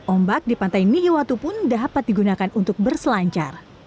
ombak di pantai mihiwatu pun dapat digunakan untuk berselancar